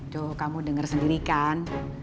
tuh kamu denger sendiri kan